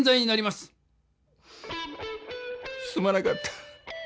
すまなかった。